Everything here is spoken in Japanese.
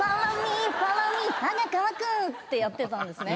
歯が乾く。ってやってたんですね。